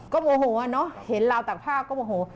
ก็โมโหเนอะเห็นราวตักภาพก็โมโห